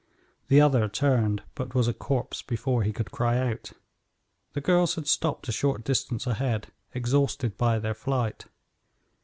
The other turned, but was a corpse before he could cry out. The girls had stopped a short distance ahead, exhausted by their flight.